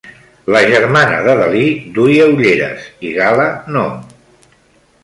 La germana de Dalí duia ulleres i Gala no.